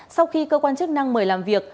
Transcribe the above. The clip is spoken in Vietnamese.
sau khi cơ quan chức năng mời làm việc